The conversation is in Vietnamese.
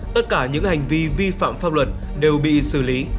tất cả những hành vi vi phạm pháp luật đều bị xử lý